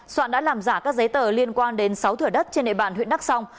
soạn đã làm giả các giấy tờ liên quan đến sáu thửa đất trên nệ bản huyện đắk sông